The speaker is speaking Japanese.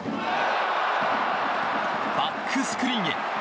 バックスクリーンへ。